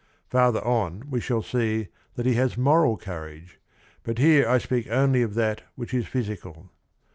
Farther on we shall see that he has moral courage, but here I speak only of that which is physical.